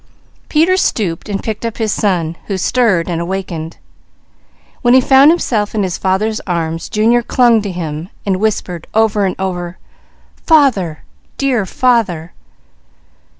Peter stooped and picked up his son, who stirred and awakened. When he found himself in his father's arms Junior clung to him and whispered over and over: "Father, dear father!"